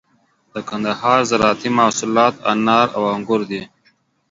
د کندهار زراعتي محصولات انار او انگور دي.